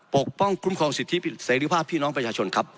ปกป้องคุ้มครองสิทธิเสรีภาพพี่น้องประชาชนครับ